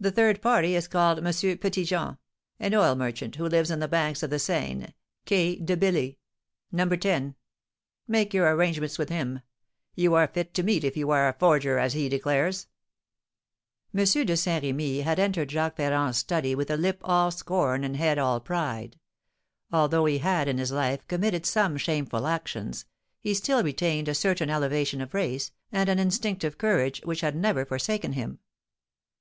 The third party is called M. Petit Jean, an oil merchant, who lives on the banks of the Seine, Quai de Billy, No. 10. Make your arrangements with him; you are fit to meet if you are a forger, as he declares." M. de Saint Remy had entered Jacques Ferrand's study with a lip all scorn, and a head all pride. Although he had in his life committed some shameful actions, he still retained a certain elevation of race, and an instinctive courage, which had never forsaken him.